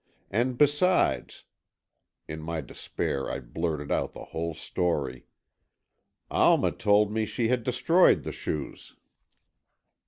And besides," in my despair I blurted out the whole story, "Alma told me she had destroyed the shoes."